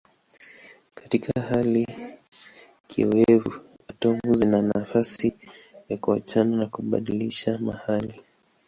Katika hali kiowevu atomu zina nafasi ya kuachana na kubadilishana mahali.